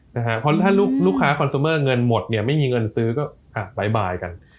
เพราะถ้าลูกค้าคอนเซอร์เมอร์เงินหมดเนี่ยไม่มีเงินซื้อก็บ๊ายบายกัน